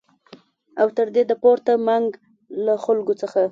او تر دې د پورته منګ له خلکو څخه